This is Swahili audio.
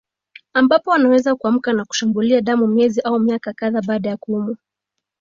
Ambapo anaweza kuamka na kushambulia damu miezi au miaka kadhaa baada ya kuumwa